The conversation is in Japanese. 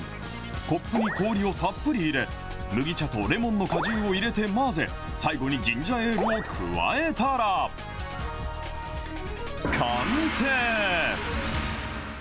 コップに氷をたっぷり入れ、麦茶とレモンの果汁を入れて混ぜ、最後にジンジャーエールを加えたら、完成。